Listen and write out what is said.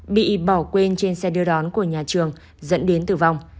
bị bỏ quên trên xe đưa đón của nhà trường dẫn đến tử vong